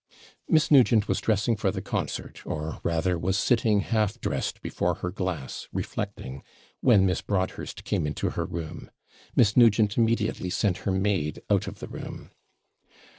Miss Nugent was dressing for the concert, or, rather, was sitting half dressed before her glass, reflecting, when Miss Broadhurst came into her room. Miss Nugent immediately sent her maid out of the room.